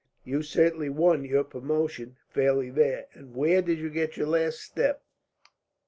You certainly won your promotion fairly there. And where did you get your last step?"